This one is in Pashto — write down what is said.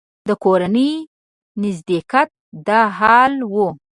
د کورني نږدېکت دا حال و.